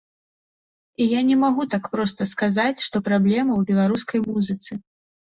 І я не магу так проста сказаць, што праблема ў беларускай музыцы.